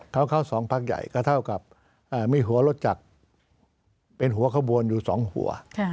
เขาเข้าสองพักใหญ่ก็เท่ากับมีหัวรถจักรเป็นหัวขบวนอยู่๒หัว